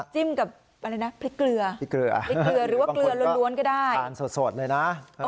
จิ้มกับอะไรนะพริกเกลือพริกเกลือหรือว่าเกลือล้วนก็ได้ทานสดเลยนะ